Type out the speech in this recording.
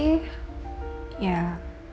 untuk reaksinya sih